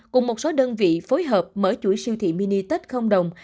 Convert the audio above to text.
cùng một số đơn vị phối hợp mở chuỗi siêu thị mini tết không đồng